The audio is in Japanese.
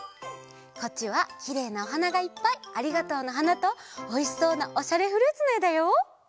こっちはきれいなおはながいっぱい「ありがとうの花」とおいしそうな「おしゃれフルーツ」のえだよ！